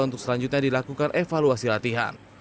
untuk selanjutnya dilakukan evaluasi latihan